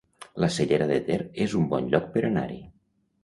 La Cellera de Ter es un bon lloc per anar-hi